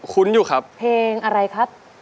คุ้นอยู่ครับเพลงอะไรครับ